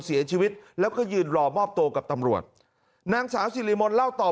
เสียชีวิตแล้วก็ยืนรอมอบตัวกับตำรวจนางสาวสิริมนต์เล่าต่อ